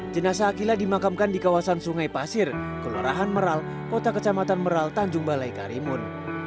jenasa akila dimakamkan di kawasan sungai pasir kelurahan meral kota kecamatan meral tanjung balai karimun